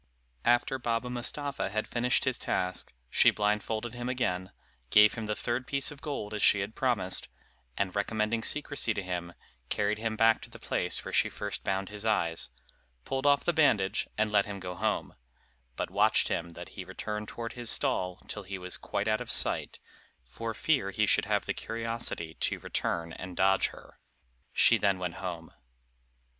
After Baba Mustapha had finished his task, she blindfolded him again, gave him the third piece of gold as she had promised, and recommending secrecy to him, carried him back to the place where she first bound his eyes, pulled off the bandage, and let him go home, but watched him that he returned toward his stall, till he was quite out of sight, for fear he should have the curiosity to return and dodge her; she then went home.